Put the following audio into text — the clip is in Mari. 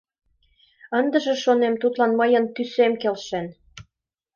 «Ындыже, шонем, тудлан мыйын тӱсем келшен».